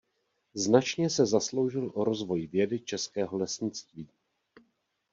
Značně se zasloužil o rozvoj vědy českého lesnictví.